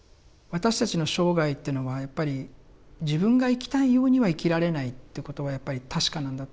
私たちの生涯というのはやっぱり自分が生きたいようには生きられないっていうことはやっぱり確かなんだと思うんですよね。